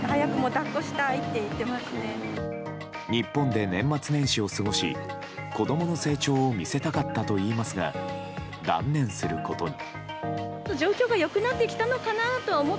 日本で年末年始を過ごし子供の成長を見せたかったといいますが断念することに。